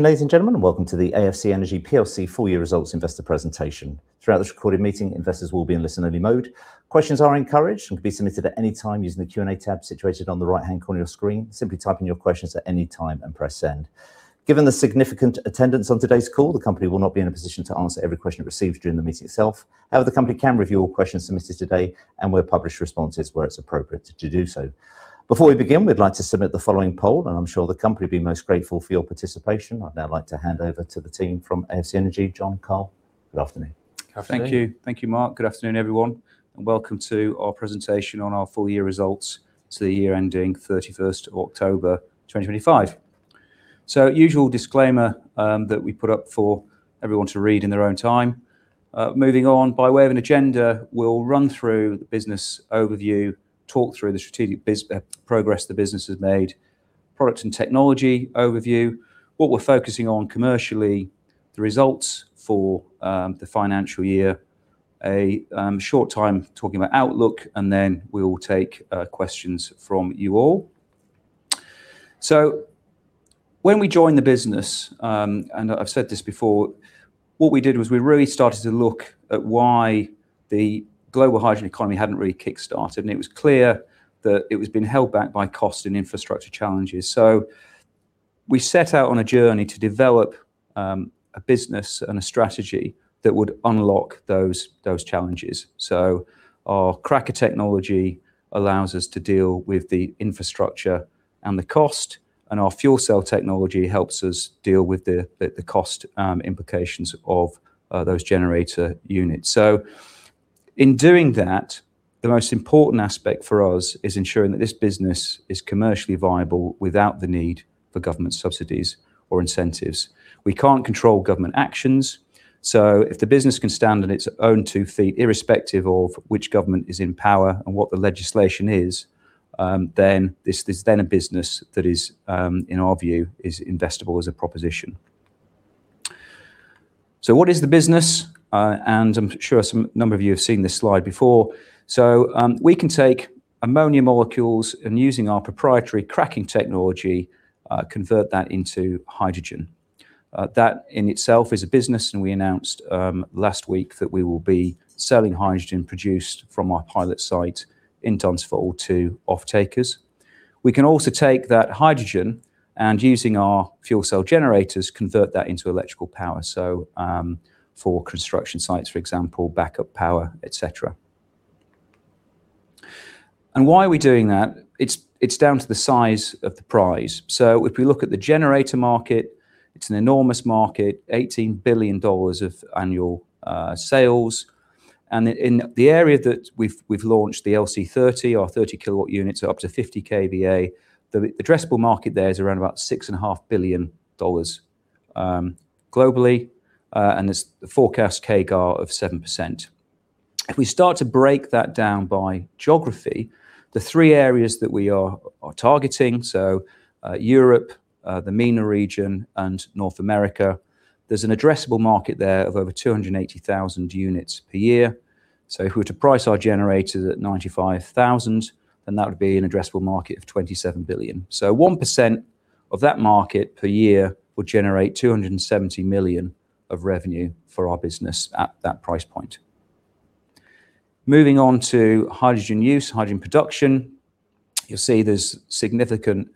Ladies and gentlemen, welcome to the AFC Energy plc full year results investor presentation. Throughout this recorded meeting, investors will be in listen-only mode. Questions are encouraged and can be submitted at any time using the Q&A tab situated on the right-hand corner of your screen. Simply type in your questions at any time and press send. Given the significant attendance on today's call, the company will not be in a position to answer every question received during the meeting itself. However, the company can review all questions submitted today, and we will publish responses where it is appropriate to do so. Before we begin, we would like to submit the following poll, and I am sure the company will be most grateful for your participation. I would now like to hand over to the team from AFC Energy. John, Karl, good afternoon. Good afternoon. Thank you. Thank you, Mark. Good afternoon, everyone, and welcome to our presentation on our full year results to the year ending 31st October, 2025. Usual disclaimer that we put up for everyone to read in their own time. Moving on, by way of an agenda, we'll run through the business overview, talk through the strategic progress the business has made, products and technology overview, what we're focusing on commercially, the results for the financial year, a short time talking about outlook, and then we will take questions from you all. When we joined the business, and I've said this before, what we did was we really started to look at why the global hydrogen economy hadn't really kick-started, and it was clear that it was being held back by cost and infrastructure challenges. We set out on a journey to develop a business and a strategy that would unlock those challenges. Our cracker technology allows us to deal with the infrastructure and the cost, and our fuel cell technology helps us deal with the cost implications of those generator units. In doing that, the most important aspect for us is ensuring that this business is commercially viable without the need for government subsidies or incentives. We can't control government actions, so if the business can stand on its own two feet, irrespective of which government is in power and what the legislation is, then this is a business that is, in our view, investable as a proposition. What is the business? I'm sure some number of you have seen this slide before. We can take ammonia molecules and using our proprietary cracking technology, convert that into hydrogen. That in itself is a business, and we announced last week that we will be selling hydrogen produced from our pilot site in Dunsfold to offtakers. We can also take that hydrogen, and using our fuel cell generators, convert that into electrical power. For construction sites, for example, backup power, et cetera. Why are we doing that? It's down to the size of the prize. If we look at the generator market, it's an enormous market, $18 billion of annual sales. In the area that we've launched the LC30 30 kW units up to 50 kVA, the addressable market there is around about $6.5 billion globally, there's the forecast CAGR of 7%. If we start to break that down by geography, the three areas that we are targeting, so, Europe, the MENA region, and North America, there's an addressable market there of over 280,000 units per year. If we were to price our generators at $95,000, that would be an addressable market of $27 billion. 1% of that market per year would generate $270 million of revenue for our business at that price point. Moving on to hydrogen use, hydrogen production, you'll see there's significant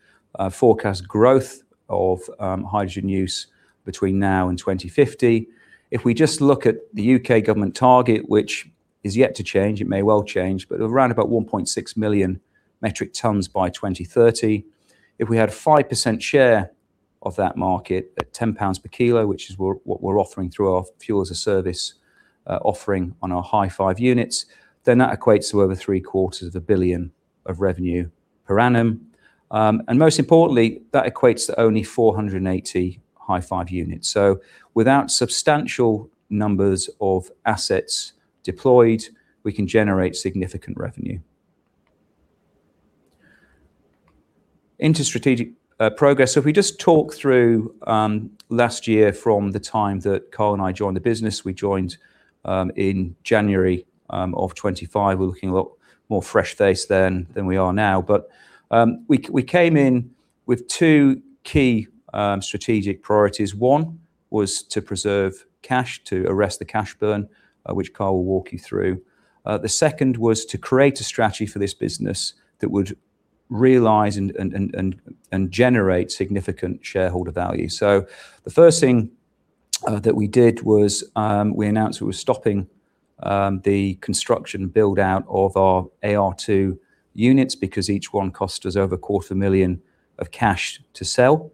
forecast growth of hydrogen use between now and 2050. If we just look at the U.K. government target, which is yet to change, it may well change, but around about 1.6 million metric tons by 2030. If we had 5% share of that market at 10 pounds per kilo, which is what we're offering through our Fuel-as-a-Service offering on our Hy-5 units, then that equates to over GBP three-quarters of a billion of revenue per annum. Most importantly, that equates to only 480 Hy-5 units. Without substantial numbers of assets deployed, we can generate significant revenue. Into strategic progress. If we just talk through last year from the time that Karl and I joined the business, we joined in January of 2025. We're looking a lot more fresh faced than we are now. We came in with two key strategic priorities. One was to preserve cash, to arrest the cash burn, which Karl will walk you through. The second was to create a strategy for this business that would realize and generate significant shareholder value. The first thing that we did was, we announced we were stopping the construction build-out of our AR2 units because each one cost us over a quarter million of cash to sell.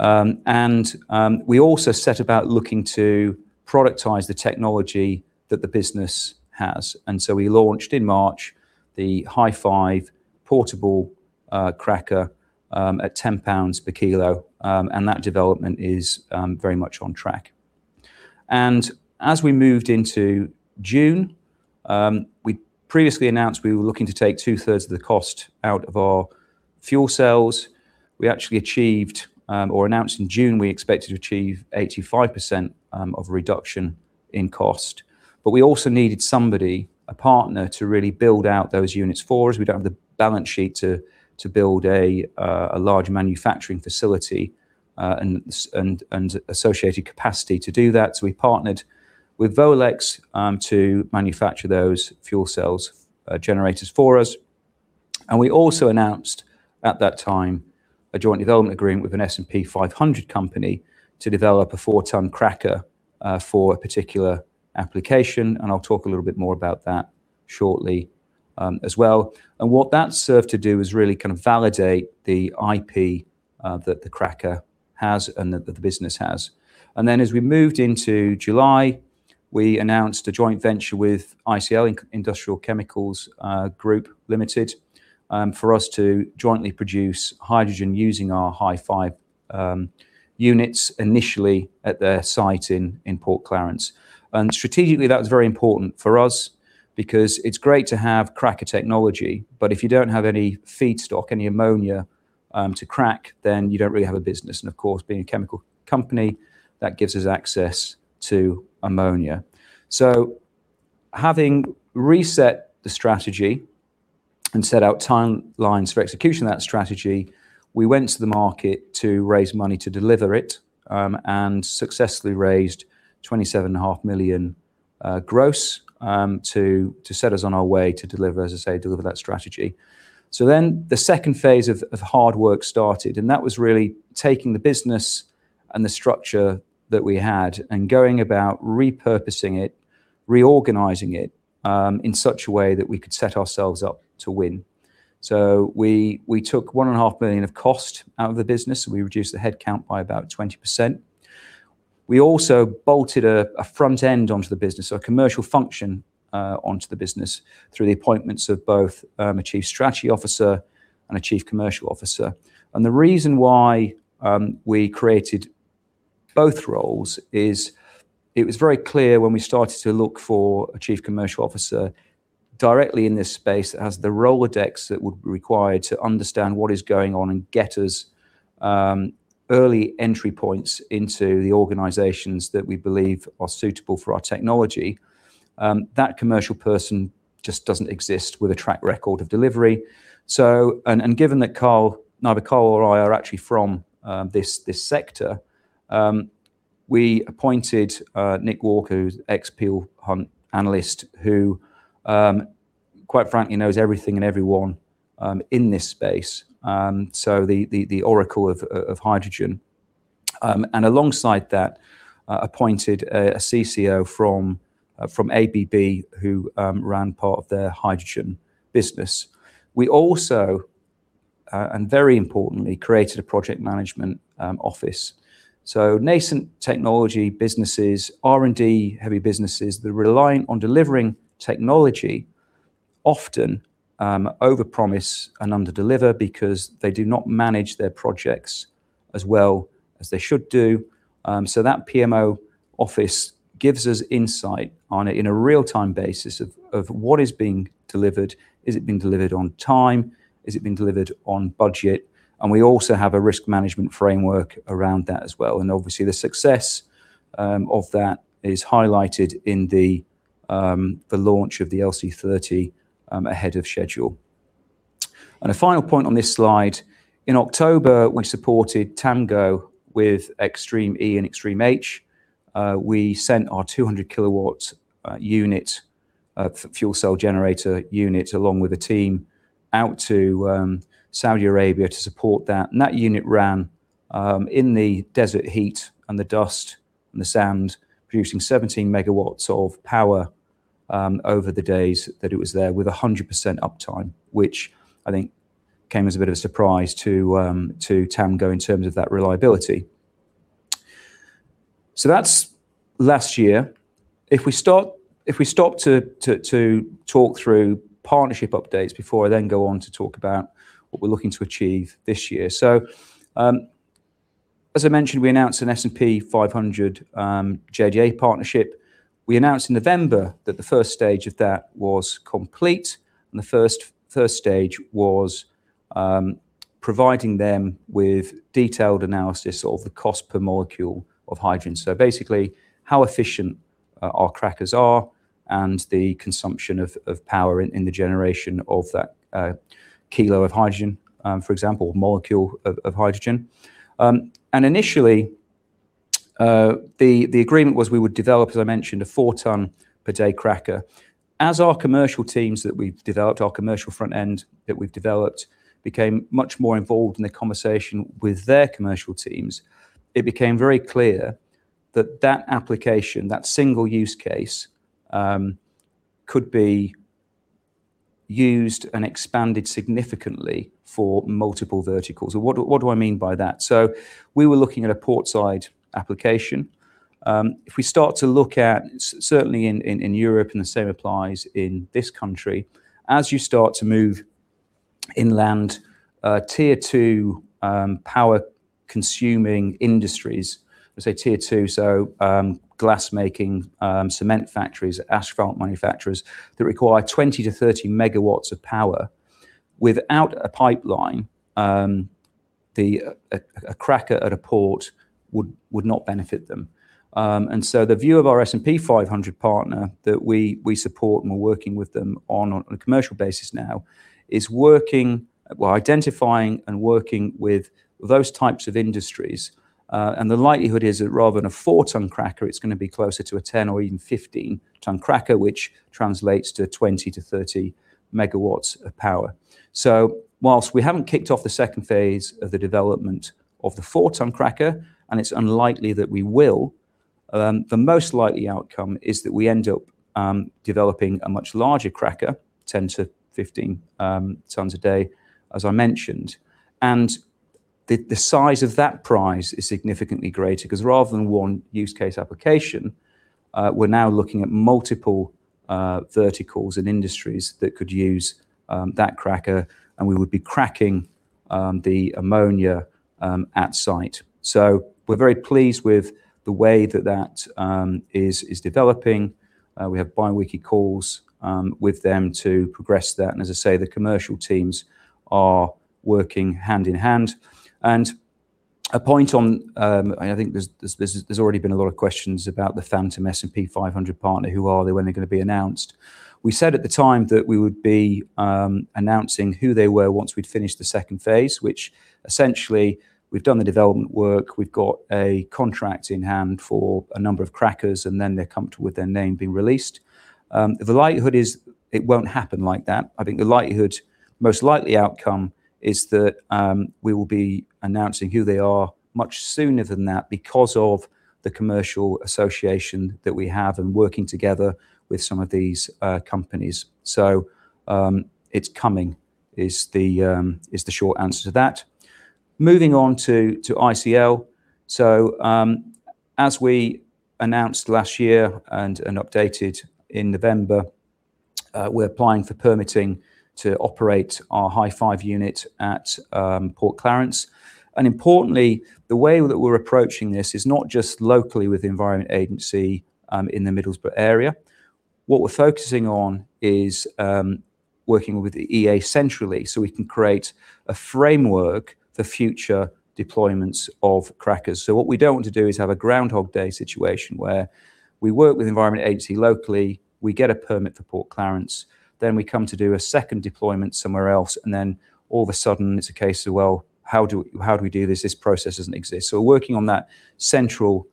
We also set about looking to productize the technology that the business has. We launched in March the Hy-5 portable cracker at 10 pounds per kilo, and that development is very much on track. As we moved into June, we previously announced we were looking to take two-thirds of the cost out of our fuel cells. We actually achieved, or announced in June, we expected to achieve 85% of reduction in cost. We also needed a partner to really build out those units for, as we don't have the balance sheet to build a large manufacturing facility and associated capacity to do that. We partnered with Volex to manufacture those fuel cells generators for us. We also announced at that time, a joint development agreement with an S&P 500 company to develop a 4-ton cracker for a particular application, and I'll talk a little bit more about that shortly as well. What that served to do is really kind of validate the IP that the cracker has and that the business has. Then as we moved into July, we announced a joint venture with ICL, Industrial Chemicals Group Limited, for us to jointly produce hydrogen using our Hy-5 units, initially at their site in Port Clarence. Strategically, that was very important for us because it's great to have cracker technology, but if you don't have any feedstock, any ammonia, to crack, then you don't really have a business. Of course, being a chemical company, that gives us access to ammonia. Having reset the strategy and set out timelines for execution of that strategy, we went to the market to raise money to deliver it, and successfully raised 27.5 million, gross, to set us on our way to deliver, as I say, deliver that strategy. The second phase of hard work started, and that was really taking the business and the structure that we had and going about repurposing it, reorganizing it, in such a way that we could set ourselves up to win. We, we took 1.5 million of cost out of the business, and we reduced the headcount by about 20%. We also bolted a front end onto the business, so a commercial function onto the business through the appointments of both a chief strategy officer and a chief commercial officer. The reason why we created both roles is it was very clear when we started to look for a chief commercial officer directly in this space, that has the Rolodex that would be required to understand what is going on and get us early entry points into the organizations that we believe are suitable for our technology. That commercial person just doesn't exist with a track record of delivery. Given that Karl, neither Karl or I are actually from this sector, we appointed Nick Walker, who's ex-Peel Hunt analyst, who, quite frankly, knows everything and everyone in this space. The oracle of hydrogen. Alongside that, appointed a CCO from ABB, who ran part of their hydrogen business. We also, and very importantly, created a project management office. Nascent technology businesses, R&D, heavy businesses that are relying on delivering technology often overpromise and underdeliver because they do not manage their projects as well as they should do. That PMO office gives us insight on a real-time basis of what is being delivered. Is it being delivered on time? Is it being delivered on budget? We also have a risk management framework around that as well. Obviously, the success of that is highlighted in the launch of the LC30 ahead of schedule. A final point on this slide, in October, we supported TAMGO with Extreme E and Extreme H. We sent our 200 kW unit, a fuel cell generator unit, along with a team, out to Saudi Arabia to support that. That unit ran in the desert heat and the dust and the sand, producing 17 MW of power over the days that it was there with 100% uptime, which I think came as a bit of a surprise to TAMGO in terms of that reliability. That's last year. If we stop to talk through partnership updates before I then go on to talk about what we're looking to achieve this year. As I mentioned, we announced an S&P 500 JDA partnership. We announced in November that the first stage of that was complete. The first stage was providing them with detailed analysis of the cost per molecule of hydrogen. Basically, how efficient our crackers are and the consumption of power in the generation of that kilo of hydrogen, for example, molecule of hydrogen. Initially, the agreement was we would develop, as I mentioned, a 4 ton per day cracker. As our commercial teams that we've developed, our commercial front end that we've developed, became much more involved in the conversation with their commercial teams, it became very clear that that application, that single use case, could be used and expanded significantly for multiple verticals. What do I mean by that? We were looking at a port-side application. If we start to look at, certainly in Europe, the same applies in this country, as you start to move inland, tier 2, power consuming industries, let's say tier 2, so, glass making, cement factories, asphalt manufacturers, that require 20-30 MW of power without a pipeline, the cracker at a port would not benefit them. The view of our S&P 500 partner that we support and we're working with them on a commercial basis now, is identifying and working with those types of industries. The likelihood is that rather than a 4-ton cracker, it's gonna be closer to a 10 or even 15-ton cracker, which translates to 20-30 MW of power. Whilst we haven't kicked off the second phase of the development of the 4-ton cracker, and it's unlikely that we will, the most likely outcome is that we end up developing a much larger cracker, 10-15 tons a day, as I mentioned. The size of that prize is significantly greater, 'cause rather than one use case application, we're now looking at multiple verticals and industries that could use that cracker, and we would be cracking the ammonia at site. We're very pleased with the way that that is developing. We have bi-weekly calls with them to progress that, and as I say, the commercial teams are working hand-in-hand. A point on, and I think there's already been a lot of questions about the phantom S&P 500 partner. Who are they? When are they gonna be announced? We said at the time that we would be announcing who they were once we'd finished the second phase, which essentially, we've done the development work, we've got a contract in hand for a number of crackers, and then they're comfortable with their name being released. The likelihood is it won't happen like that. I think the likelihood, most likely outcome is that we will be announcing who they are much sooner than that because of the commercial association that we have and working together with some of these companies. It's coming, is the short answer to that. Moving on to ICL. As we announced last year and updated in November, we're applying for permitting to operate our Hy-5 unit at Port Clarence. Importantly, the way that we're approaching this is not just locally with the Environment Agency in the Middlesbrough area. What we're focusing on is working with the EA centrally, so we can create a framework for future deployments of crackers. What we don't want to do is have a Groundhog Day situation where we work with Environment Agency locally, we get a permit for Port Clarence, then we come to do a second deployment somewhere else, and then all of a sudden, it's a case of, well, how do we do this? This process doesn't exist. We're working on that central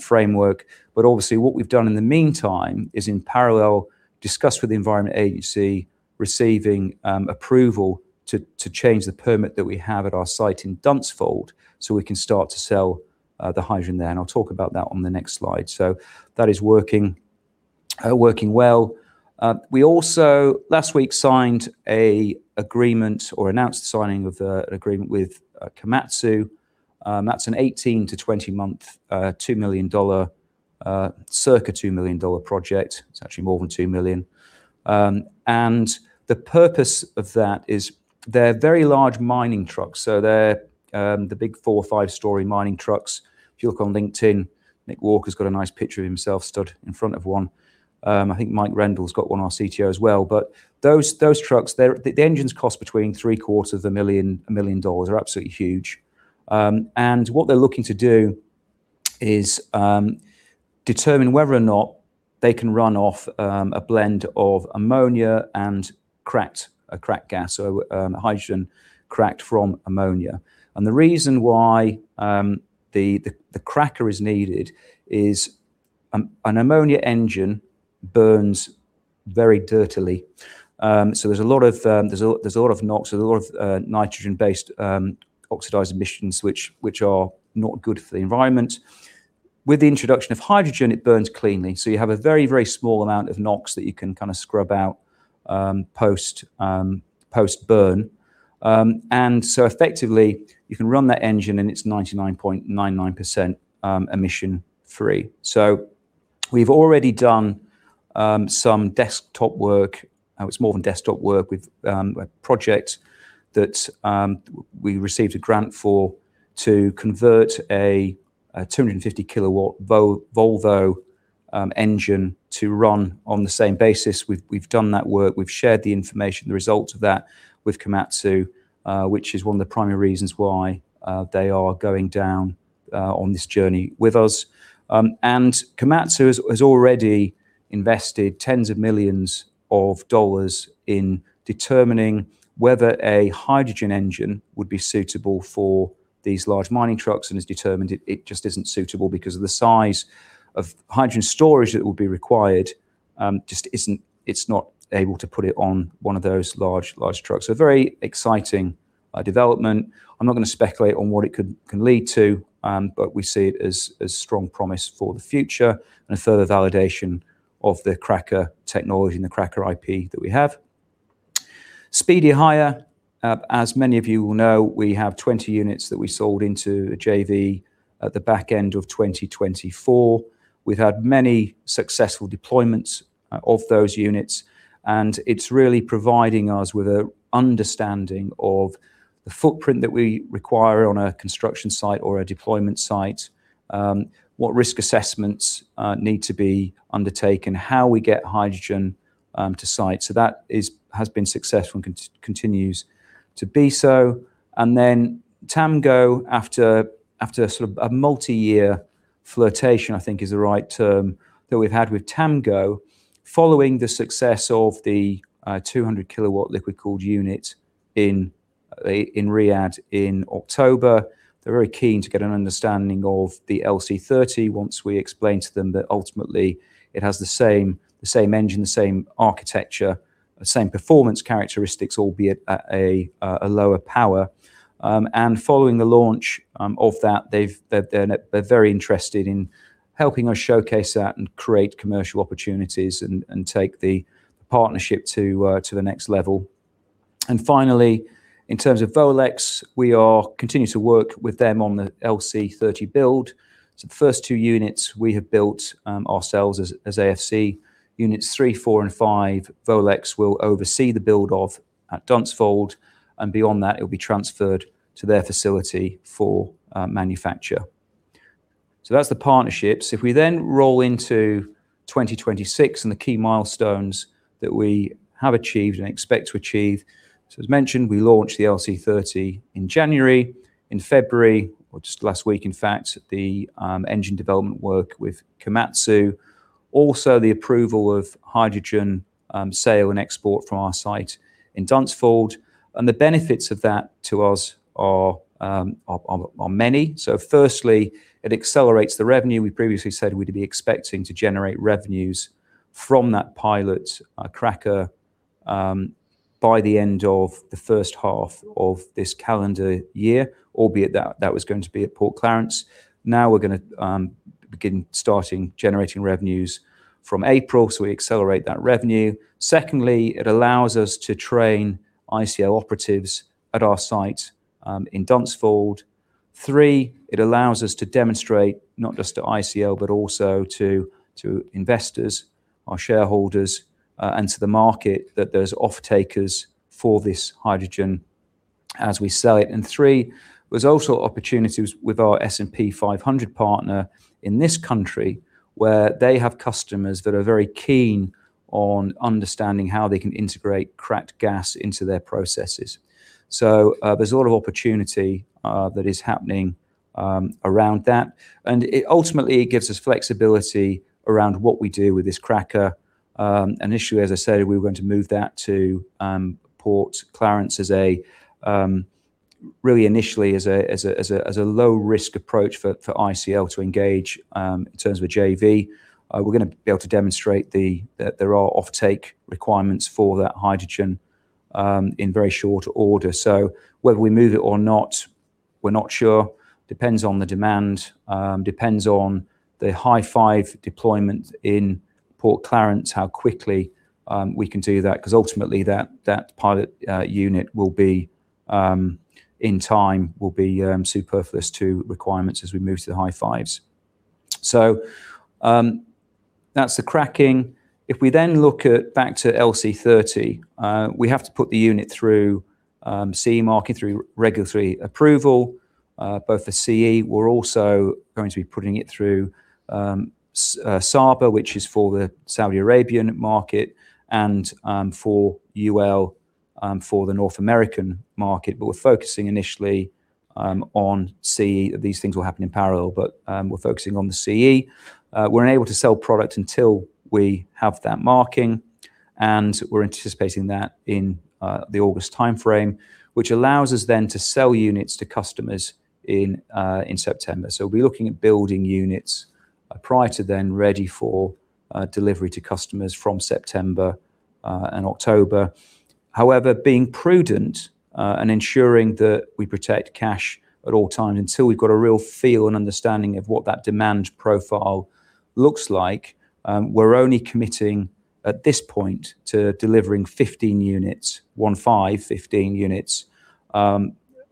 framework, but obviously what we've done in the meantime is, in parallel, discuss with the Environment Agency, receiving approval to change the permit that we have at our site in Dunsfold, so we can start to sell the hydrogen there, and I'll talk about that on the next slide. That is working working well. We also last week signed a agreement or announced the signing of an agreement with Komatsu. That's an 18-20 month, $2 million, circa $2 million project. It's actually more than $2 million. And the purpose of that is they're very large mining trucks, so they're the big four or five-story mining trucks. If you look on LinkedIn, Nick Walker's got a nice picture of himself stood in front of one. I think Mike Rendall's got one, our CTO as well. Those trucks, the engines cost between three-quarters of a million dollars and $1 million. They're absolutely huge. What they're looking to do is determine whether or not they can run off a blend of ammonia and cracked gas, so hydrogen cracked from ammonia. The reason why the cracker is needed is an ammonia engine burns very dirtily. There's a lot of NOx, there's a lot of nitrogen-based oxidized emissions, which are not good for the environment. With the introduction of hydrogen, it burns cleanly, so you have a very, very small amount of NOx that you can kinda scrub out post post-burn. Effectively, you can run that engine, and it's 99.99% emission free. We've already done some desktop work. It's more than desktop work with a project that we received a grant for, to convert a 250 kW Volvo engine to run on the same basis. We've done that work, we've shared the information, the results of that with Komatsu, which is one of the primary reasons why they are going down on this journey with us. Komatsu has already invested tens of millions of dollars in determining whether a hydrogen engine would be suitable for these large mining trucks, and has determined it just isn't suitable because of the size of hydrogen storage that would be required. It's not able to put it on one of those large trucks. A very exciting development. I'm not gonna speculate on what it can lead to, but we see it as strong promise for the future and a further validation of the cracker technology and the cracker IP that we have. Speedy Hire, as many of you will know, we have 20 units that we sold into a JV at the back end of 2024. We've had many successful deployments of those units, and it's really providing us with a understanding of the footprint that we require on a construction site or a deployment site, what risk assessments need to be undertaken, how we get hydrogen to site. That has been successful and continues to be so. TAMGO, after sort of a multi-year flirtation, I think is the right term, that we've had with TAMGO, following the success of the 200 kW liquid-cooled unit in Riyadh in October. They're very keen to get an understanding of the LC30, once we explain to them that ultimately it has the same engine, the same architecture, the same performance characteristics, albeit at a lower power. Following the launch of that, they're very interested in helping us showcase that and create commercial opportunities and take the partnership to the next level. Finally, in terms of Volex, we are continuing to work with them on the LC30 build. The first 2 units we have built ourselves as AFC. Units 3, 4, and 5, Volex will oversee the build of at Dunsfold, and beyond that, it will be transferred to their facility for manufacture. That's the partnerships. If we roll into 2026 and the key milestones that we have achieved and expect to achieve. As mentioned, we launched the LC30 in January. In February, or just last week, in fact, the engine development work with Komatsu, also the approval of hydrogen sale and export from our site in Dunsfold. The benefits of that to us are many. Firstly, it accelerates the revenue. We previously said we'd be expecting to generate revenues from that pilot cracker by the end of the H1 of this calendar year, albeit that was going to be at Port Clarence. Now we're gonna begin starting generating revenues from April, so we accelerate that revenue. Secondly, it allows us to train ICL operatives at our site in Dunsfold. Three, it allows us to demonstrate not just to ICL, but also to investors, our shareholders, and to the market, that there's offtakers for this hydrogen as we sell it. Three, there's also opportunities with our S&P 500 partner in this country, where they have customers that are very keen on understanding how they can integrate cracked gas into their processes. There's a lot of opportunity that is happening around that, and it ultimately gives us flexibility around what we do with this cracker. Initially, as I said, we were going to move that to Port Clarence as a really initially as a low risk approach for ICL to engage in terms of a JV. We're gonna be able to demonstrate that there are offtake requirements for that hydrogen in very short order. Whether we move it or not, we're not sure. Depends on the demand, depends on the Hy-5 deployment in Port Clarence, how quickly we can do that. Ultimately, that pilot unit will be in time, will be superfluous to requirements as we move to the Hy-5s. That's the cracking. If we then look at back to LC30, we have to put the unit through CE marking, through regulatory approval, both for CE. We're also going to be putting it through SABER, which is for the Saudi Arabian market and for UL for the North American market. We're focusing initially on CE. These things will happen in parallel, but we're focusing on the CE. We're unable to sell product until we have that marking, and we're anticipating that in the August timeframe, which allows us then to sell units to customers in September. We'll be looking at building units prior to then ready for delivery to customers from September and October. However, being prudent, and ensuring that we protect cash at all times until we've got a real feel and understanding of what that demand profile looks like, we're only committing at this point to delivering 15 units, 1, 5, 15 units,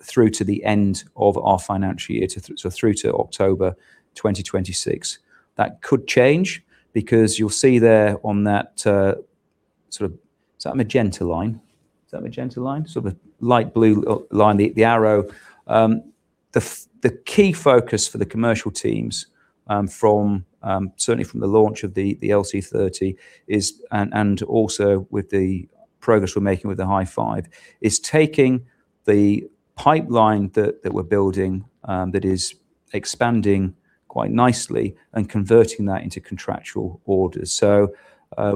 through to the end of our financial year, so through to October 2026. That could change, because you'll see there on that. Is that a magenta line? Is that a magenta line? Sort of a light blue line, the arrow. The key focus for the commercial teams, from, certainly from the launch of the LC30 is, and also with the progress we're making with the Hy-5, is taking the pipeline that we're building that is expanding quite nicely and converting that into contractual orders.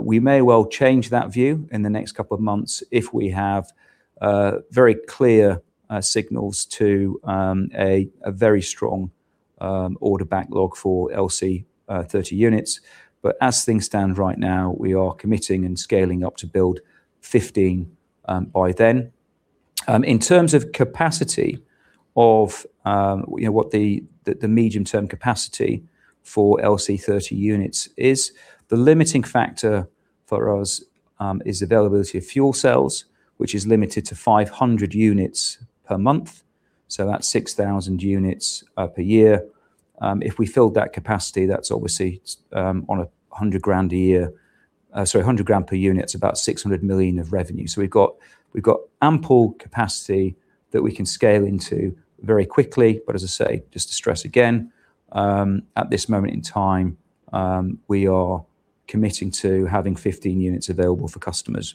We may well change that view in the next couple of months if we have very clear signals to a very strong order backlog for LC30 units. As things stand right now, we are committing and scaling up to build 15 by then. In terms of capacity of, you know, what the medium-term capacity for LC30 units is, the limiting factor for us is availability of fuel cells, which is limited to 500 units per month, so that's 6,000 units per year. If we filled that capacity, that's obviously on 100 grand a year, sorry, 100 grand per unit, it's about 600 million of revenue. We've got ample capacity. that we can scale into very quickly, but as I say, just to stress again, at this moment in time, we are committing to having 15 units available for customers.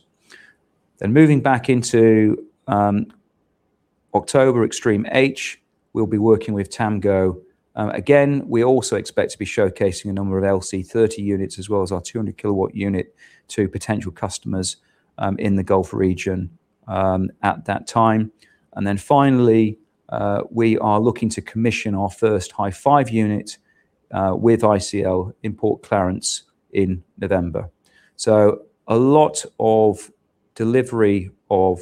Moving back into October, Extreme H, we'll be working with TAMGO. Again, we also expect to be showcasing a number of LC30 units, as well as our 200 kW unit to potential customers in the Gulf region at that time. Finally, we are looking to commission our first Hy-5 unit with ICL in Port Clarence in November. A lot of delivery of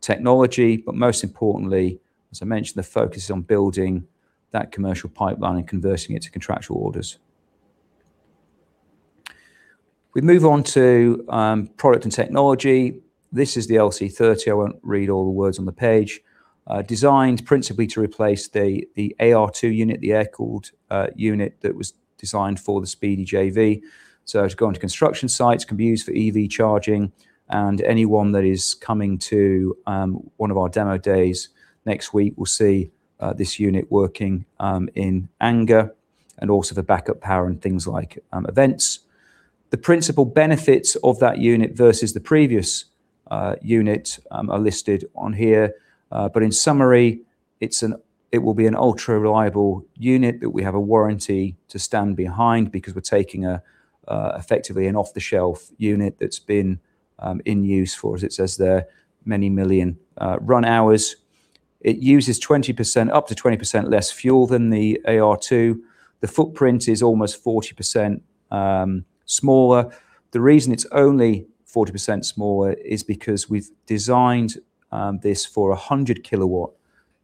technology, but most importantly, as I mentioned, the focus is on building that commercial pipeline and converting it to contractual orders. We move on to product and technology. This is the LC30. I won't read all the words on the page. Designed principally to replace the AR2 unit, the air-cooled unit that was designed for the Speedy JV. To go into construction sites, can be used for EV charging, and anyone that is coming to one of our demo days next week will see this unit working in anger, and also the backup power and things like events. The principal benefits of that unit versus the previous unit are listed on here, but in summary, it will be an ultra-reliable unit that we have a warranty to stand behind because we're taking a effectively an off-the-shelf unit that's been in use for, as it says there, many million run hours. It uses 20%, up to 20% less fuel than the AR2. The footprint is almost 40% smaller. The reason it's only 40% smaller is because we've designed this for a 100kW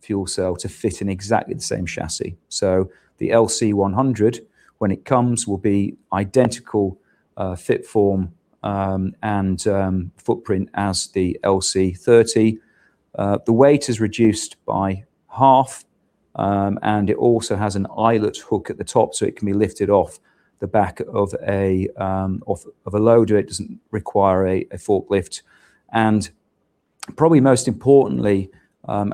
fuel cell to fit in exactly the same chassis. The LC100, when it comes, will be identical fit, form, and footprint as the LC30. The weight is reduced by half, and it also has an eyelet hook at the top, so it can be lifted off the back of a loader. It doesn't require a forklift. Probably most importantly,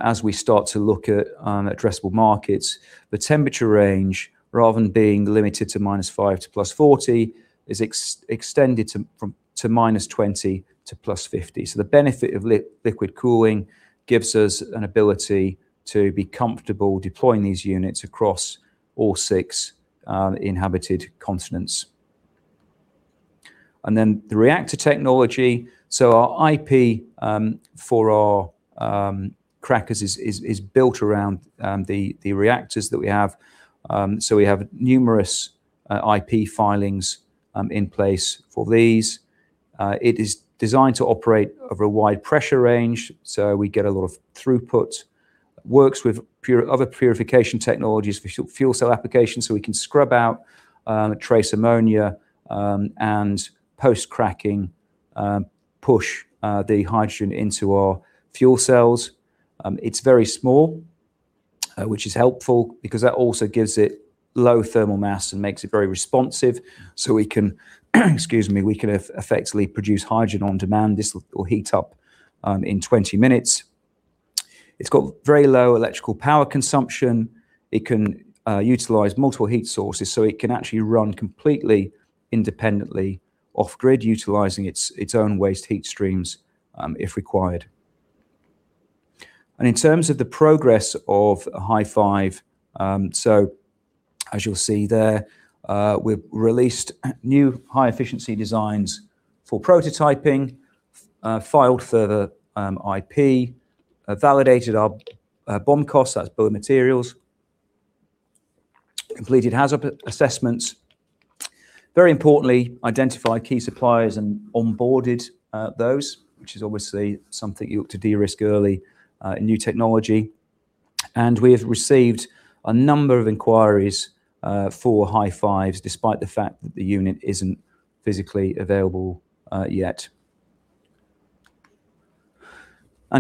as we start to look at addressable markets, the temperature range, rather than being limited to -5 to +40, is extended to -20 to +50. The benefit of liquid cooling gives us an ability to be comfortable deploying these units across all 6 inhabited continents. The reactor technology. Our IP for our crackers is built around the reactors that we have. We have numerous IP filings in place for these. It is designed to operate over a wide pressure range, so we get a lot of throughput. Works with other purification technologies for fuel cell applications, so we can scrub out trace ammonia and post-cracking push the hydrogen into our fuel cells. It's very small, which is helpful because that also gives it low thermal mass and makes it very responsive. We can, excuse me, we can effectively produce hydrogen on demand. This will heat up in 20 minutes. It's got very low electrical power consumption. It can utilize multiple heat sources, so it can actually run completely independently, off-grid, utilizing its own waste heat streams, if required. In terms of the progress of Hy-5, so as you'll see there, we've released new high efficiency designs for prototyping, filed further IP, validated our BOM costs, that's bill of materials, completed hazard assessments. Very importantly, identified key suppliers and onboarded those, which is obviously something you look to de-risk early in new technology. We have received a number of inquiries for Hy-5s, despite the fact that the unit isn't physically available yet.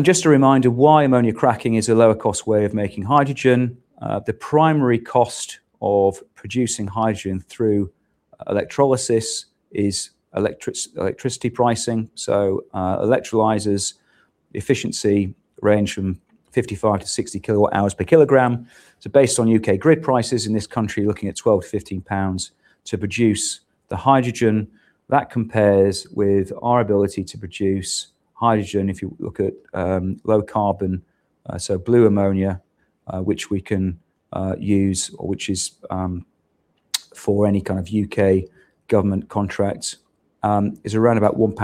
Just a reminder, why ammonia cracking is a lower cost way of making hydrogen. The primary cost of producing hydrogen through electrolysis is electricity pricing, so electrolyzers efficiency range from 55 to 60 kWh per kg. Based on U.K. grid prices in this country, looking at 12-15 pounds to produce the hydrogen, that compares with our ability to produce hydrogen, if you look at low carbon, blue ammonia, which we can use, or which is, for any kind of U.K. government contracts, is around about 1.70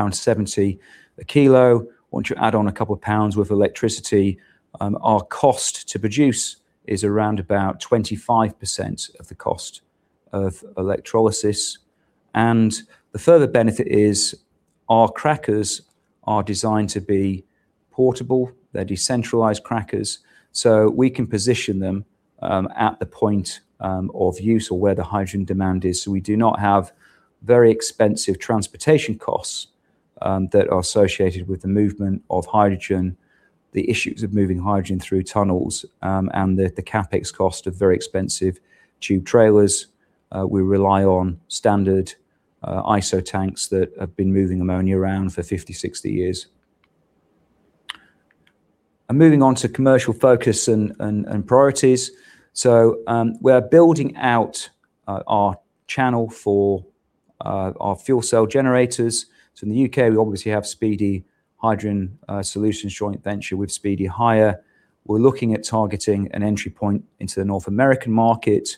pound a kilo. Once you add on a couple of pounds worth of electricity, our cost to produce is around about 25% of the cost of electrolysis. The further benefit is our crackers are designed to be portable, they're decentralized crackers, so we can position them at the point of use or where the hydrogen demand is. We do not have very expensive transportation costs that are associated with the movement of hydrogen, the issues of moving hydrogen through tunnels, and the CapEx cost of very expensive tube trailers. We rely on standard ISO tanks that have been moving ammonia around for 50, 60 years. Moving on to commercial focus and priorities. We're building out our channel for our fuel cell generators. In the U.K., we obviously have Speedy Hydrogen Solutions joint venture with Speedy Hire. We're looking at targeting an entry point into the North American market.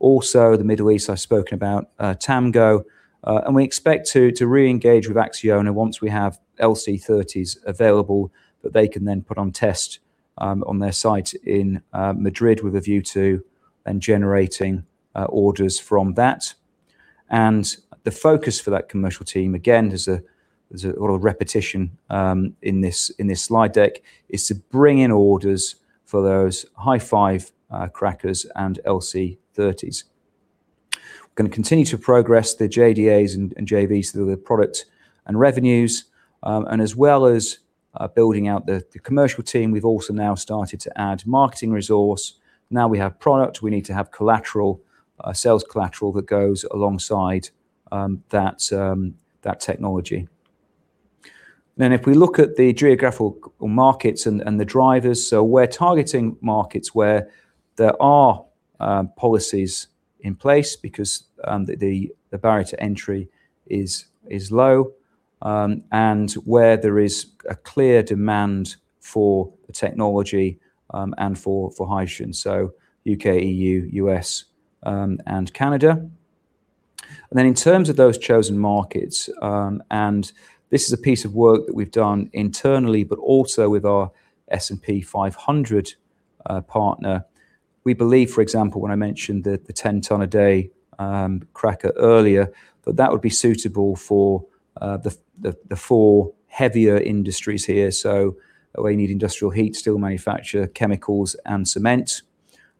The Middle East, I've spoken about TAMGO, and we expect to re-engage with ACCIONA once we have LC30s available, that they can then put on test on their site in Madrid with a view to then generating orders from that. The focus for that commercial team, again, there's a lot of repetition in this slide deck, is to bring in orders for those Hy-5 crackers and LC30s. We're gonna continue to progress the JDAs and JVs through the product and revenues. As well as building out the commercial team, we've also now started to add marketing resource. Now we have product, we need to have collateral, sales collateral that goes alongside that technology. If we look at the geographical markets and the drivers, so we're targeting markets where there are policies in place because the barrier to entry is low, and where there is a clear demand for the technology, and for hydrogen, so U.K., EU, U.S., and Canada. In terms of those chosen markets, and this is a piece of work that we've done internally, but also with our S&P 500 partner. We believe, for example, when I mentioned the 10 ton a day cracker earlier, that that would be suitable for the 4 heavier industries here. So where you need industrial heat, steel manufacture, chemicals, and cement,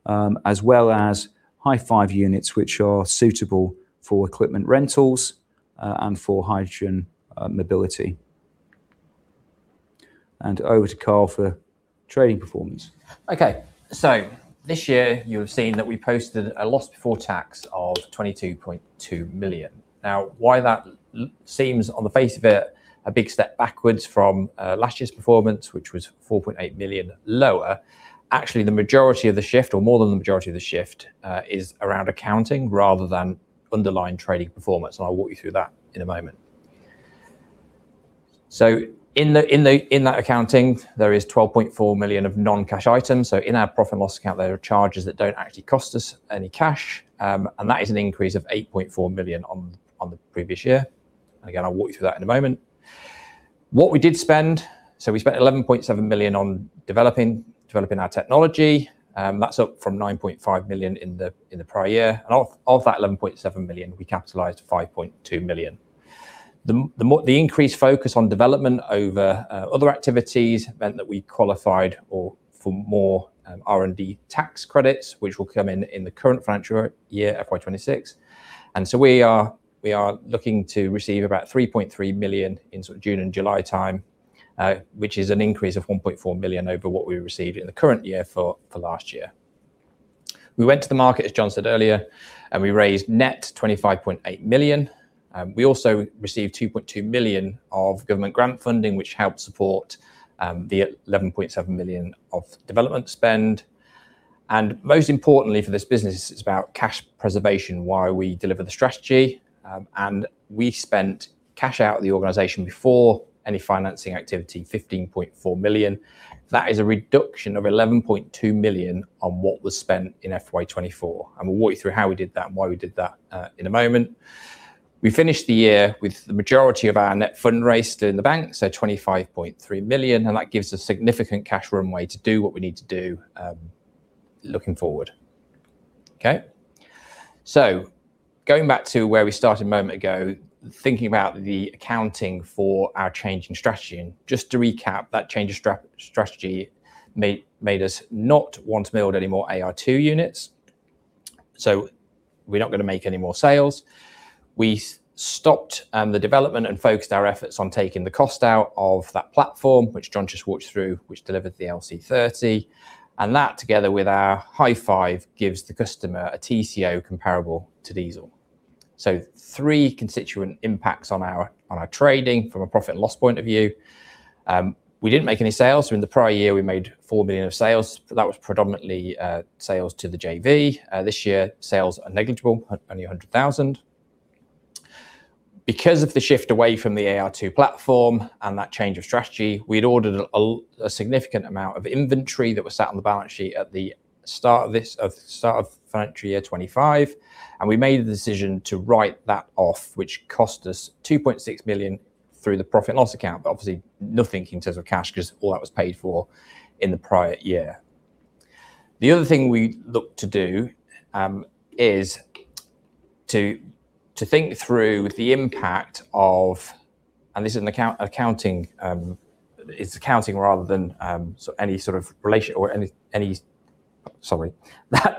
as well as Hy-5 units, which are suitable for equipment rentals, and for hydrogen mobility. Over to Karl for trading performance. Okay. This year you have seen that we posted a loss before tax of 22.2 million. Why that seems on the face of it, a big step backwards from last year's performance, which was 4.8 million lower. Actually, the majority of the shift, or more than the majority of the shift, is around accounting rather than underlying trading performance, and I'll walk you through that in a moment. In that accounting, there is 12.4 million of non-cash items. In our profit and loss account, there are charges that don't actually cost us any cash, and that is an increase of 8.4 million on the previous year. Again, I'll walk you through that in a moment. What we did spend, we spent 11.7 million on developing our technology, that's up from 9.5 million in the prior year. Of that 11.7 million, we capitalized 5.2 million. The increased focus on development over other activities meant that we qualified for more R&D tax credits, which will come in the current financial year, FY26. We are looking to receive about 3.3 million in June and July time, which is an increase of 1.4 million over what we received in the current year for the last year. We went to the market, as John said earlier, we raised net 25.8 million. We also received 2.2 million of government grant funding, which helped support the 11.7 million of development spend. Most importantly for this business, it's about cash preservation, while we deliver the strategy, and we spent cash out of the organization before any financing activity, 15.4 million. That is a reduction of 11.2 million on what was spent in FY24. We'll walk you through how we did that and why we did that in a moment. We finished the year with the majority of our net fundraised in the bank, so 25.3 million, and that gives us significant cash runway to do what we need to do, looking forward. Okay? Going back to where we started a moment ago, thinking about the accounting for our changing strategy. Just to recap, that change of strategy made us not want to build any more AR2 units, so we're not gonna make any more sales. We stopped the development and focused our efforts on taking the cost out of that platform, which John just walked through, which delivered the LC30, and that, together with our Hy-5, gives the customer a TCO comparable to diesel. Three constituent impacts on our trading from a profit and loss point of view. We didn't make any sales. In the prior year, we made 4 million of sales, but that was predominantly sales to the JV. This year, sales are negligible, only 100,000. Because of the shift away from the AR2 platform and that change of strategy, we'd ordered a significant amount of inventory that was sat on the balance sheet at the start of FY25, and we made the decision to write that off, which cost us 2.6 million through the profit and loss account, but obviously nothing in terms of cash, 'cause all that was paid for in the prior year. The other thing we looked to do, is to think through the impact of. This is an accounting, it's accounting rather than, so any sort of relation or any. Sorry.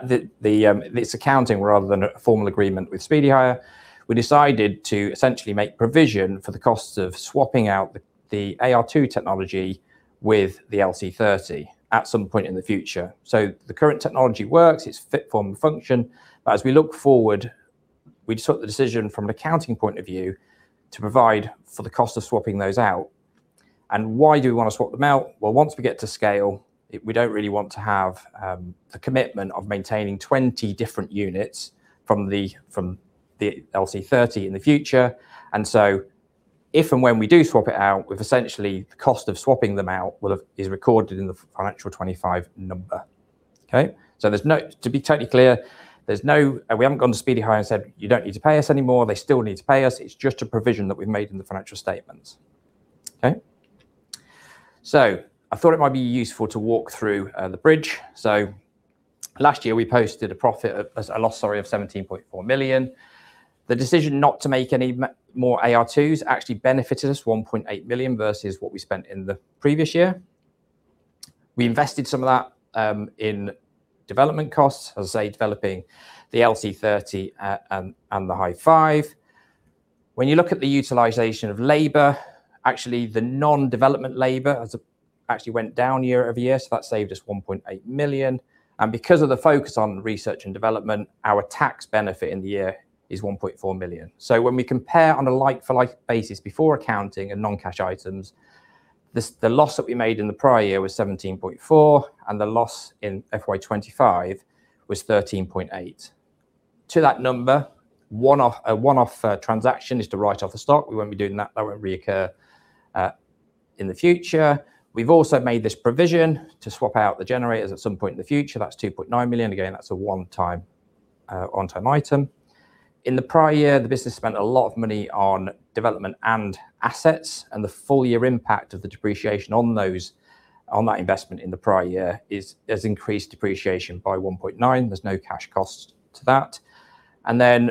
This accounting, rather than a formal agreement with Speedy Hire, we decided to essentially make provision for the costs of swapping out the AR2 technology with the LC30 at some point in the future. The current technology works, it's fit for function, but as we look forward, we took the decision from an accounting point of view to provide for the cost of swapping those out. Why do we want to swap them out? Well, once we get to scale, we don't really want to have a commitment of maintaining 20 different units from the LC30 in the future. If and when we do swap it out, with essentially the cost of swapping them out is recorded in the financial 25 number. Okay? There's no to be totally clear, there's no and we haven't gone to Speedy Hire and said, "You don't need to pay us anymore." They still need to pay us. It's just a provision that we've made in the financial statements. Okay? I thought it might be useful to walk through the bridge. Last year, we posted a profit as a loss, sorry, of 17.4 million. The decision not to make any more AR2s actually benefited us 1.8 million versus what we spent in the previous year. We invested some of that in development costs, as I say, developing the LC30 and the Hy-5. When you look at the utilization of labor, actually, the non-development labor has actually went down year-over-year, so that saved us 1.8 million. Because of the focus on research and development, our tax benefit in the year is 1.4 million. When we compare on a like-for-like basis before accounting and non-cash items, the loss that we made in the prior year was 17.4 million, and the loss in FY25 was 13.8 million. To that number, a one-off transaction is to write off the stock. We won't be doing that. That won't reoccur in the future. We've also made this provision to swap out the generators at some point in the future. That's 2.9 million. Again, that's a one-time item. In the prior year, the business spent a lot of money on development and assets, the full year impact of the depreciation on those, on that investment in the prior year has increased depreciation by 1.9 million. There's no cash cost to that.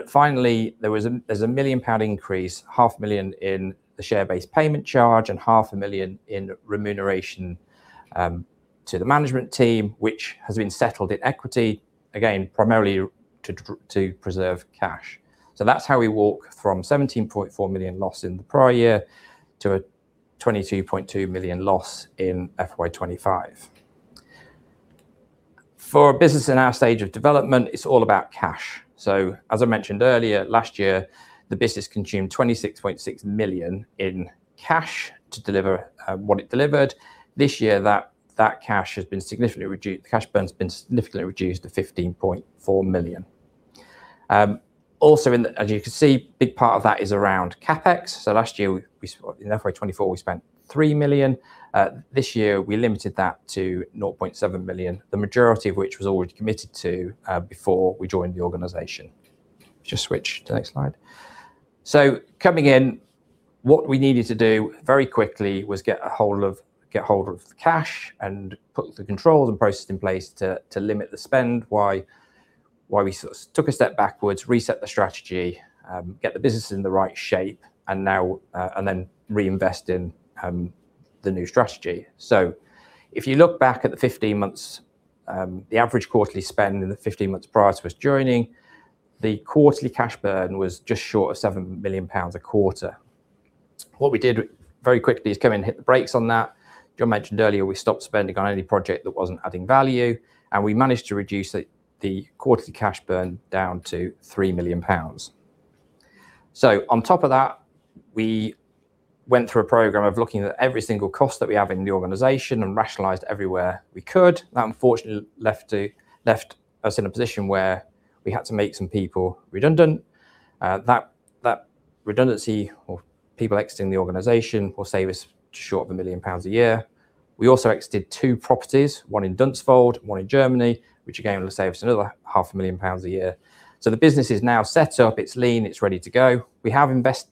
Finally, there's a 1 million pound increase, 0.5 million in the share-based payment charge and 0.5 million in remuneration to the management team, which has been settled in equity, again, primarily to preserve cash. That's how we walk from 17.4 million loss in the prior year to a 22.2 million loss in FY25. For a business in our stage of development, it's all about cash. As I mentioned earlier, last year, the business consumed 26.6 million in cash to deliver what it delivered. This year, that cash has been significantly reduced. The cash burn's been significantly reduced to 15.4 million. Also as you can see, big part of that is around CapEx. Last year, we, in FY24, we spent 3 million. This year, we limited that to 0.7 million, the majority of which was already committed to before we joined the organization. Just switch to the next slide. Coming in, what we needed to do very quickly was get hold of the cash and put the controls and processes in place to limit the spend, why we sort of took a step backwards, reset the strategy, get the business in the right shape, and now and then reinvest in the new strategy. If you look back at the 15 months, the average quarterly spend in the 15 months prior to us joining, the quarterly cash burn was just short of 7 million pounds a quarter. What we did very quickly is come in and hit the brakes on that. John mentioned earlier, we stopped spending on any project that wasn't adding value, and we managed to reduce the quarterly cash burn down to 3 million pounds. On top of that, we went through a program of looking at every single cost that we have in the organization and rationalized everywhere we could. That unfortunately, left us in a position where we had to make some people redundant. That redundancy of people exiting the organization will save us just short of 1 million pounds a year. We also exited two properties, one in Dunsfold, one in Germany, which again, will save us another half a million GBP a year. The business is now set up, it's lean, it's ready to go. We have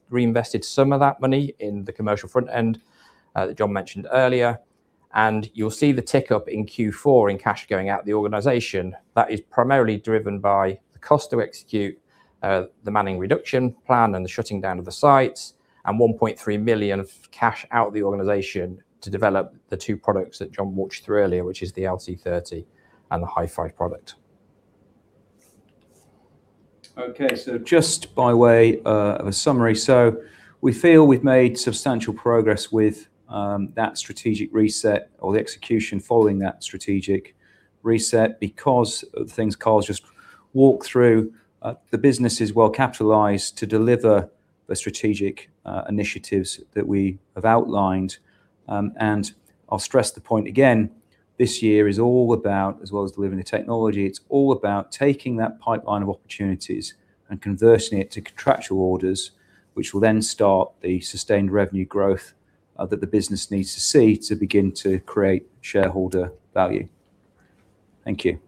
reinvested some of that money in the commercial front end that John mentioned earlier, and you'll see the tick up in Q4 in cash going out the organization. That is primarily driven by the cost to execute the manning reduction plan and the shutting down of the sites, and 1.3 million GBP of cash out of the organization to develop the two products that John walked through earlier, which is the LC30 and the Hy-5 product. Just by way of a summary, we feel we've made substantial progress with that strategic reset or the execution following that strategic reset because of the things Karl just walked through, the business is well capitalized to deliver the strategic initiatives that we have outlined. I'll stress the point again, this year is all about, as well as delivering the technology, it's all about taking that pipeline of opportunities and converting it to contractual orders, which will then start the sustained revenue growth that the business needs to see to begin to create shareholder value. Thank you.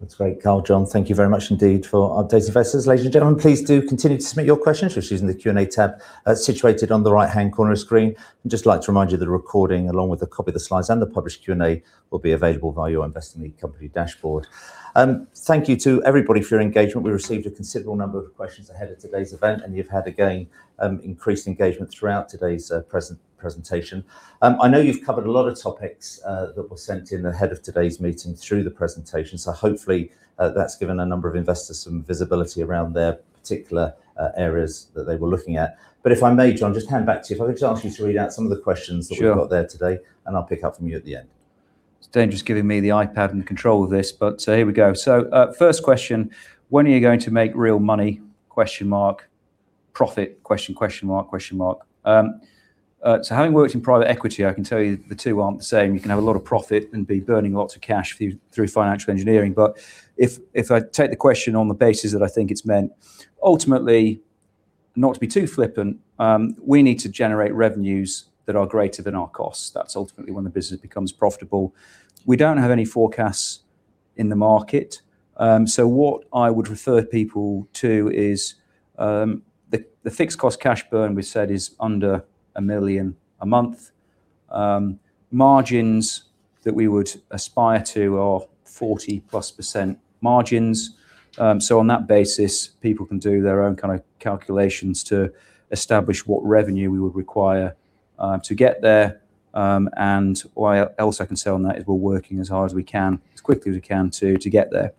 That's great, Karl. John, thank you very much indeed for updating investors. Ladies and gentlemen, please do continue to submit your questions just using the Q&A tab, situated on the right-hand corner of the screen. Just like to remind you that the recording, along with a copy of the slides and the published Q&A, will be available via your Investing in the Company dashboard. Thank you to everybody for your engagement. We received a considerable number of questions ahead of today's event, and you've had, again, increased engagement throughout today's presentation. I know you've covered a lot of topics that were sent in ahead of today's meeting through the presentation, so hopefully, that's given a number of investors some visibility around their particular areas that they were looking at. If I may, John, just hand back to you. If I could just ask you to read out some of the questions. Sure. that we've got there today, and I'll pick up from you at the end. Daniel's giving me the iPad and control of this, but so here we go. First question, "When are you going to make real money? Profit?" Having worked in private equity, I can tell you the two aren't the same. You can have a lot of profit and be burning lots of cash through financial engineering. If I take the question on the basis that I think it's meant, ultimately, not to be too flippant, we need to generate revenues that are greater than our costs. That's ultimately when the business becomes profitable. We don't have any forecasts in the market, what I would refer people to is the fixed cost cash burn we said is under 1 million a month. Margins that we would aspire to are 40%+ margins. On that basis, people can do their own kind of calculations to establish what revenue we would require to get there. What else I can say on that is we're working as hard as we can, as quickly as we can to get there.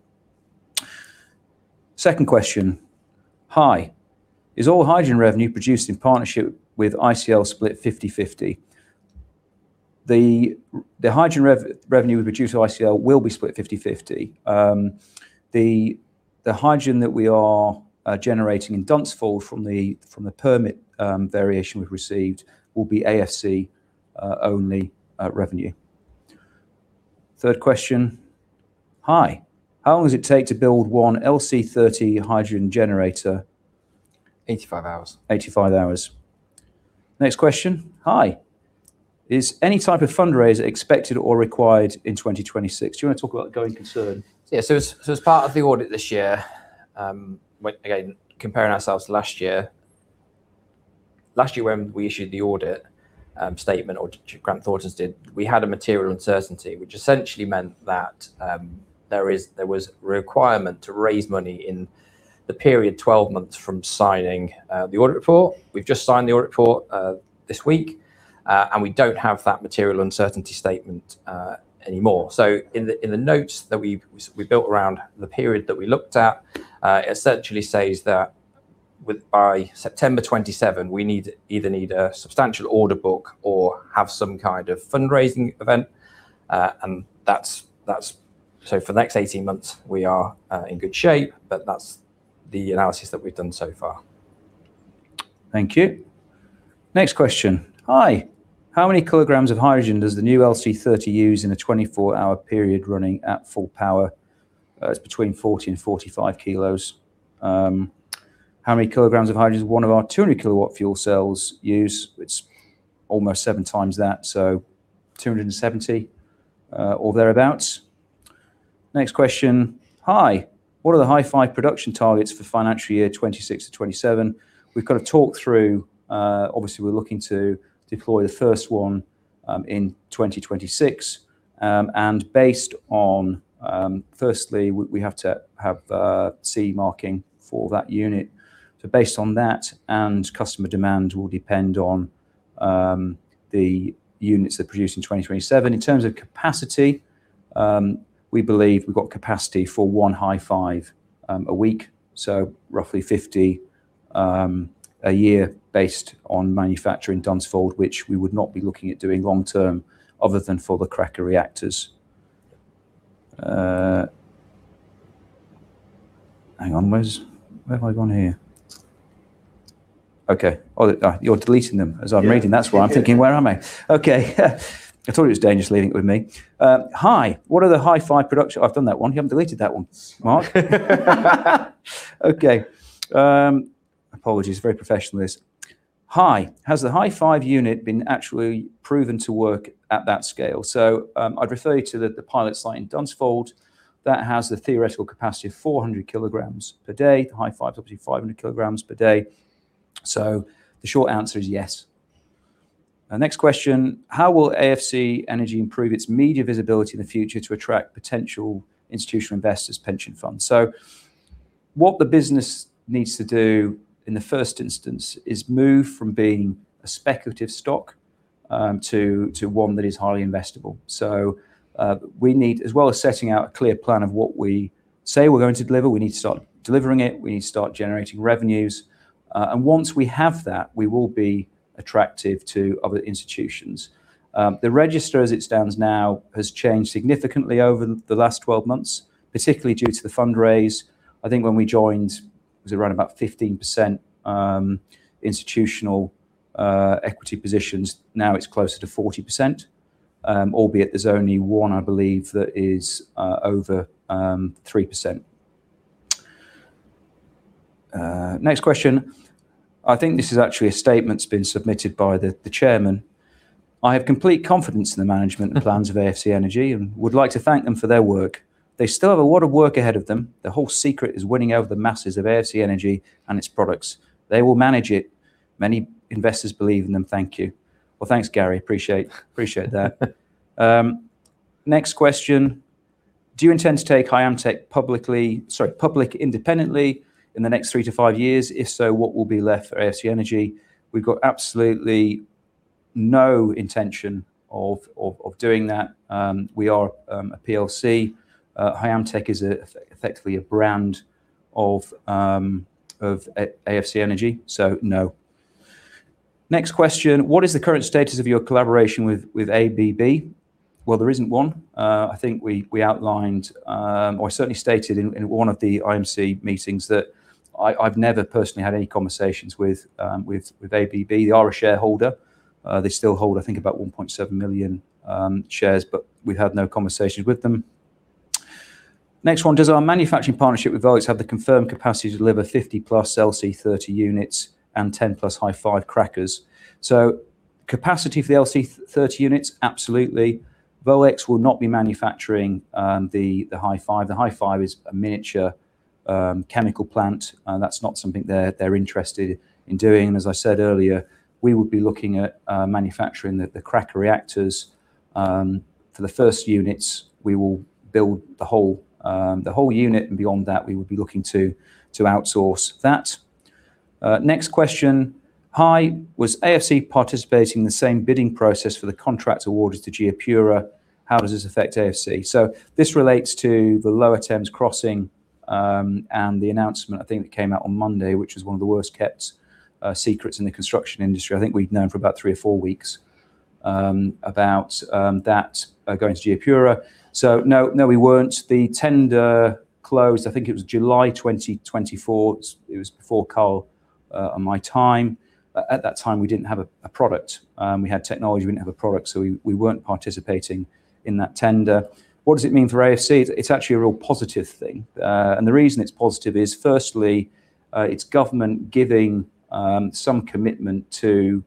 Second question: "Hi, is all hydrogen revenue produced in partnership with ICL split 50/50?" The hydrogen revenue we produce with ICL will be split 50/50. The hydrogen that we are generating in Dunsfold from the permit variation we've received will be AFC only revenue. Third question: "Hi, how long does it take to build one LC30 hydrogen generator? 85 hours. 85 hours. Next question: "Hi, is any type of fundraiser expected or required in 2026?" Do you wanna talk about going concern? Yeah. As, so as part of the audit this year, when again, comparing ourselves to last year, last year when we issued the audit statement, or Grant Thornton did, we had a material uncertainty, which essentially meant that there was requirement to raise money in the period 12 months from signing the audit report. We've just signed the audit report this week, we don't have that material uncertainty statement anymore. In the, in the notes that we've, we built around the period that we looked at, essentially says that with by September 2027, we either need a substantial order book or have some kind of fundraising event. For the next 18 months, we are in good shape, but that's the analysis that we've done so far. Thank you. Next question: "Hi, how many kg of hydrogen does the new LC30 use in a 24-hour period running at full power?" It's between 40 and 45 kilos. "How many kg of hydrogen does one of our 200 kW fuel cells use?" It's almost 7 times that, so 270, or thereabout. Next question: "Hi, what are the Hy-5 production targets for FY26 to FY27?" We've got a talk through, obviously, we're looking to deploy the first one in 2026. Based on, firstly, we have to have CE marking for that unit. Based on that, and customer demand will depend on the units that are produced in 2027. In terms of capacity, we believe we've got capacity for one Hy-5, a week, so roughly 50 a year based on manufacturing Dunsfold, which we would not be looking at doing long term other than for the cracker reactors. Hang on, where have I gone here? Okay. Oh, you're deleting them as I'm reading. Yeah. That's why I'm thinking, where am I? Okay. I thought it was dangerous leaving it with me. "Hi, what are the Hy-5 production..." I've done that one. You haven't deleted that one, Mark. Apologies, very professional this. "Hi, has the Hy-5 unit been actually proven to work at that scale?" I'd refer you to the pilot site in Dunsfold, that has the theoretical capacity of 400 kg per day. The Hy-5, obviously, 500 kg per day. The short answer is yes. Our next question: "How will AFC Energy improve its media visibility in the future to attract potential institutional investors pension funds?" What the business needs to do in the first instance is move from being a speculative stock, to one that is highly investable. We need, as well as setting out a clear plan of what we say we're going to deliver, we need to start delivering it, we need to start generating revenues. Once we have that, we will be attractive to other institutions. The register, as it stands now, has changed significantly over the last 12 months, particularly due to the fundraise. I think when we joined, it was around about 15%, institutional equity positions. Now, it's closer to 40%, albeit there's only one I believe that is over 3%. Next question. I think this is actually a statement that's been submitted by the chairman. "I have complete confidence in the management and plans of AFC Energy and would like to thank them for their work. They still have a lot of work ahead of them. The whole secret is winning over the masses of AFC Energy and its products. They will manage it. Many investors believe in them. Thank you. Thanks, Gary. Appreciate that. Next question: "Do you intend to take Hyamtec public independently in the next three to five years? If so, what will be left for AFC Energy?" We've got absolutely no intention of doing that. We are a PLC. Hyamtec is effectively a brand of AFC Energy, no. Next question: What is the current status of your collaboration with ABB? There isn't one. I think we outlined or certainly stated in one of the IMC meetings that I've never personally had any conversations with ABB. They are a shareholder. They still hold, I think, about 1.7 million shares, but we've had no conversations with them. Next one, does our manufacturing partnership with Volex have the confirmed capacity to deliver 50+ LC30 units and 10+ Hy-5 crackers? Capacity for the LC30 units, absolutely. Volex will not be manufacturing the Hy-5. The Hy-5 is a miniature chemical plant, and that's not something they're interested in doing. As I said earlier, we will be looking at manufacturing the cracker reactors. For the first units, we will build the whole unit, and beyond that, we would be looking to outsource that. Next question. Hi, was AFC participating in the same bidding process for the contract awarded to GeoPura? How does this affect AFC? This relates to the Lower Thames Crossing, and the announcement, I think it came out on Monday, which is one of the worst-kept secrets in the construction industry. I think we'd known for about 3 or 4 weeks about that going to GeoPura. No, we weren't. The tender closed, I think it was July 2024. It was before Karl and my time. At that time, we didn't have a product. We had technology, we didn't have a product, we weren't participating in that tender. What does it mean for AFC? It's actually a real positive thing. The reason it's positive is, firstly, it's government giving some commitment to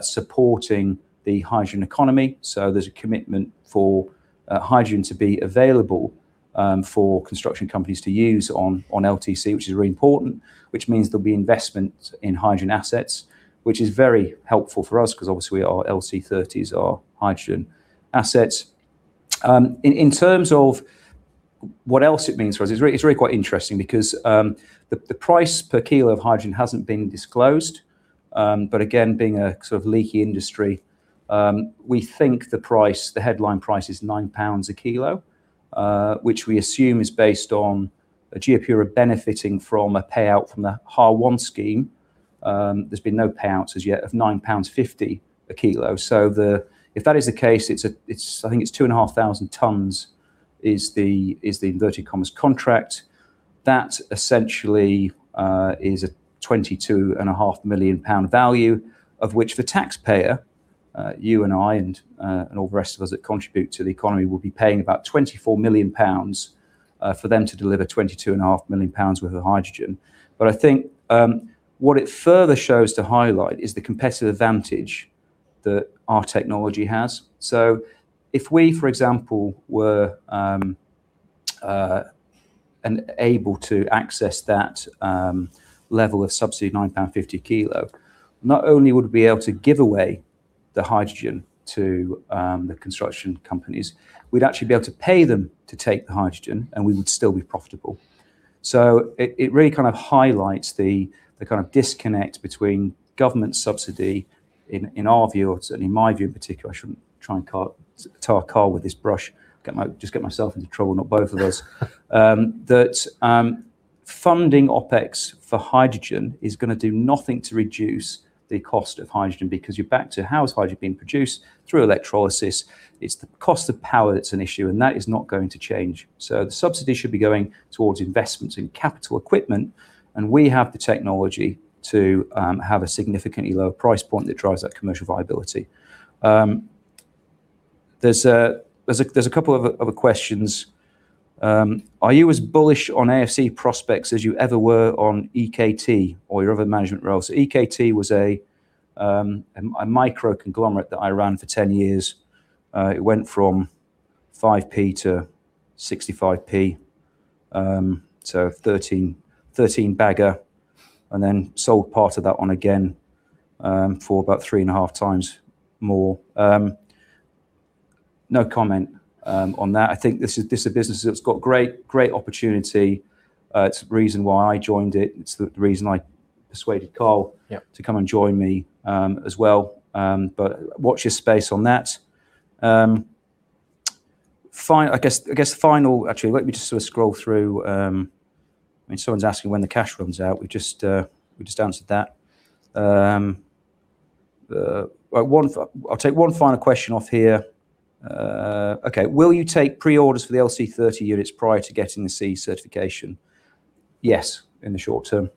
supporting the hydrogen economy. There's a commitment for hydrogen to be available for construction companies to use on LTC, which is really important, which means there'll be investment in hydrogen assets, which is very helpful for us, 'cause obviously, our LC30s are hydrogen assets. In terms of what else it means for us, it's really quite interesting because the price per kilo of hydrogen hasn't been disclosed, but again, being a sort of leaky industry, we think the price, the headline price is 9 pounds a kilo, which we assume is based on GeoPura benefiting from a payout from the HAR1 scheme. There's been no payouts as yet of 9.50 pounds a kilo. The... If that is the case, I think it's 2,500 tons is the, is the inverted commas contract. That essentially is a 22.5 million pound value, of which the taxpayer, you and I, and all the rest of us that contribute to the economy, will be paying about 24 million pounds for them to deliver 22.5 million pounds worth of hydrogen. I think what it further shows to highlight is the competitive advantage that our technology has. If we, for example, were able to access that level of subsidy, 9.50 pound a kilo, not only would we be able to give away the hydrogen to the construction companies, we'd actually be able to pay them to take the hydrogen, and we would still be profitable. It really kind of highlights the kind of disconnect between government subsidy in our view, or certainly in my view, in particular, I shouldn't try and tar Karl with this brush. Just get myself into trouble, not both of us. That funding OpEx for hydrogen is gonna do nothing to reduce the cost of hydrogen, because you're back to how is hydrogen being produced? Through electrolysis. It's the cost of power that's an issue, and that is not going to change. The subsidy should be going towards investments in capital equipment, and we have the technology to have a significantly lower price point that drives that commercial viability. There's a couple of other questions. Are you as bullish on AFC prospects as you ever were on EKT or your other management roles? EKT was a micro conglomerate that I ran for 10 years. It went from 5p to 65p, 13 bagger, and then sold part of that one again for about 3.5x more. No comment on that. I think this is a business that's got great opportunity. It's the reason why I joined it. It's the reason I persuaded Karl- Yep. to come and join me, as well. Watch this space on that. Fine, I guess the final. Actually, let me just sort of scroll through, I mean, someone's asking when the cash runs out. We just answered that. Well, I'll take one final question off here. Okay. Will you take preorders for the LC30 units prior to getting the CE certification? Yes, in the short term.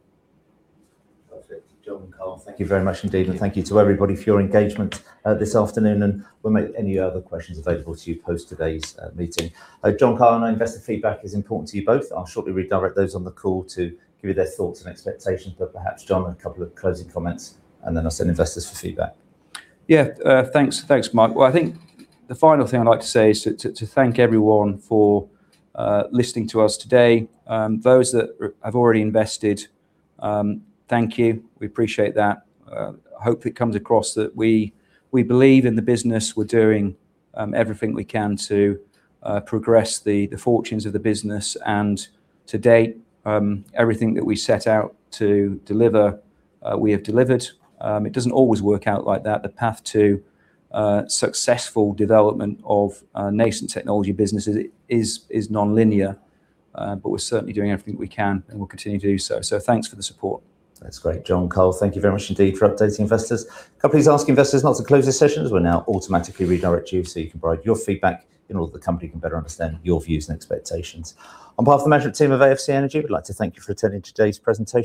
Perfect. John and Karl, thank you very much indeed, and thank you to everybody for your engagement this afternoon, and we'll make any other questions available to you post today's meeting. John, Karl, I know investor feedback is important to you both. I'll shortly redirect those on the call to give you their thoughts and expectations. Perhaps, John, a couple of closing comments, and then I'll send investors for feedback. Yeah, thanks. Thanks, Mark. Well, I think the final thing I'd like to say is to thank everyone for listening to us today. Those that have already invested, thank you. We appreciate that. I hope it comes across that we believe in the business. We're doing everything we can to progress the fortunes of the business. To date, everything that we set out to deliver, we have delivered. It doesn't always work out like that. The path to successful development of nascent technology businesses is nonlinear. We're certainly doing everything we can, and we'll continue to do so. Thanks for the support. That's great. John, Karl, thank you very much indeed for updating investors. Companies ask investors not to close this session, as we'll now automatically redirect you so you can provide your feedback in order that the company can better understand your views and expectations. On behalf of the management team of AFC Energy, we'd like to thank you for attending today's presentation.